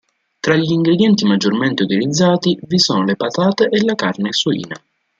Tra gli ingredienti maggiormente utilizzati, vi sono le patate e la carne suina.